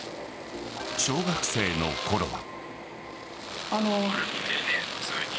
小学生のころは。